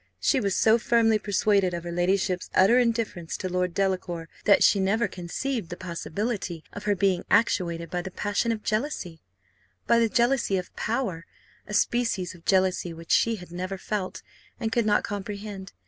She was so firmly persuaded of her ladyship's utter indifference to Lord Delacour, that she never conceived the possibility of her being actuated by the passion of jealousy by the jealousy of power a species of jealousy which she had never felt, and could not comprehend.